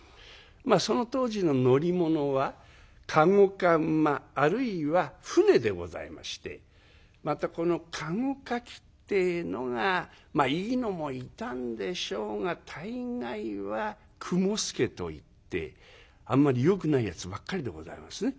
まあその当時の乗り物は駕籠か馬あるいは船でございましてまたこの駕籠かきってえのがまあいいのもいたんでしょうが大概は雲助といってあんまりよくないやつばっかりでございますね。